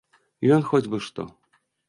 Ён хоць бы што.